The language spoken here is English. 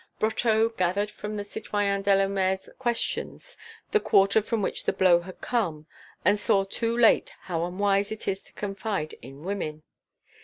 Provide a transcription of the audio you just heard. Brotteaux gathered from the citoyen Delourmel's questions the quarter from which the blow had come and saw too late how unwise it is to confide in women.